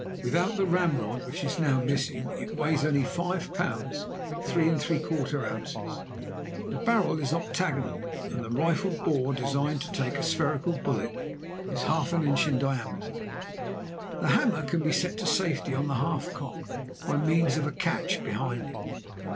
Without the ramrod, which is now missing, it weighs only 5 lbs. 3¾ oz. The barrel is octagonal, and the rifled bore, designed to take a spherical bullet, is ½ in. in diameter. The hammer can be set to safety on the half cock by means of a catch behind it.